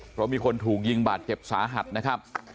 เพราะมีคนถูกยิงบาดเจ็บสาหัสนะครับ